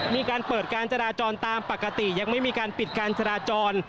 มีการเปิดการจราจรตามปกติยังไม่มีการปิดการจราจร